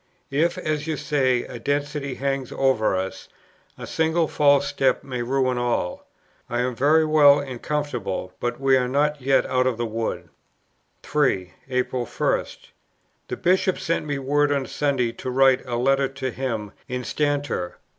If, as you say, a destiny hangs over us, a single false step may ruin all. I am very well and comfortable; but we are not yet out of the wood." 3. April 1. "The Bishop sent me word on Sunday to write a Letter to him 'instanter.'